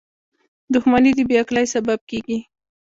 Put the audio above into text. • دښمني د بې عقلی سبب کېږي.